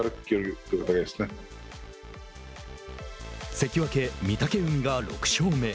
関脇・御嶽海が６勝目。